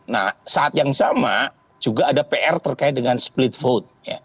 nah saat yang sama juga ada pr terkait dengan split vote